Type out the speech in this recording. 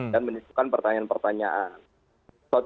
dan menentukan pertanyaan pertanyaan